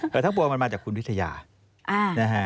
แต่ทั้งปวงมันมาจากคุณวิทยานะฮะ